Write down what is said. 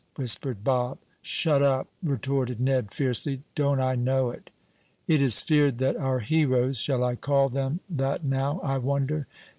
whispered Bob. "Shut up!" retorted Ned, fiercely. "Don't I know it!" It is feared that our heroes shall I call them that now, I wonder?